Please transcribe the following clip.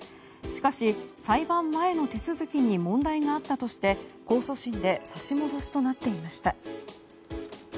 しかし、裁判前の手続きに問題があったとして控訴審で差し戻しとなっていました。